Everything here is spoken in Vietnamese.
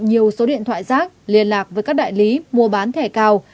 nhiều số điện thoại rác liên lạc với các đại lý mua bán thẻ cao